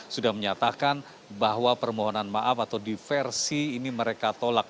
sudah menyatakan bahwa permohonan maaf atau diversi ini mereka tolak